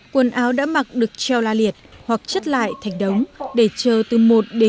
quần áo đã mặc được treo la liệt hoặc chất lại thành đống để chờ từ một đến hai tuần mới được xử lý